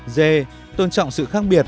d tôn trọng sự khác biệt